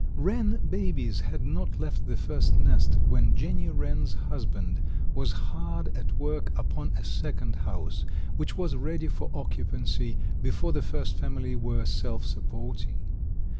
Wren babies had not left the first nest when Jenny Wren's husband was hard at work upon a second house, which was ready for occupancy before the first family were self supporting.